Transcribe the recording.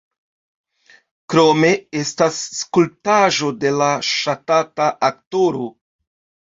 Krome estas skulptaĵo de la ŝatata aktoro.